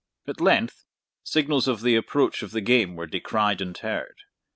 At length signals of the approach of the game were descried and heard.